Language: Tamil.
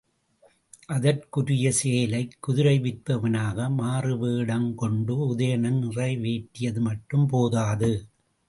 அதற்குரிய செயலைச் குதிரை விற்பவனாக மாறுவேடங் கொண்டு உதயணன் நிறைவேற்றியது மட்டும் போதாது.